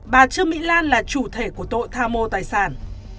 bà trương mỹ lan là chủ thể của tội tham mô tài sản